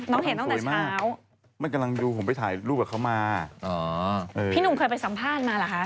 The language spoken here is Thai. เห็นตั้งแต่เช้ามันกำลังดูผมไปถ่ายรูปกับเขามาอ๋อพี่หนุ่มเคยไปสัมภาษณ์มาเหรอคะ